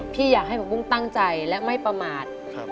พี่อยากให้ผักบุ้งตั้งใจและไม่ประมาท